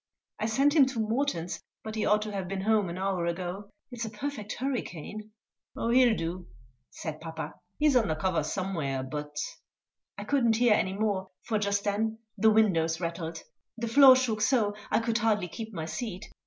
I sent him to Morton's, but he ought to have been home an hour ago. It's a perfect hurricane!" "Oh, he'll do," said papa; "he's under cover somewhere, but " I couldn't hear any more, for just then the windows rattled; the floor shook so I could hardly keep my seat.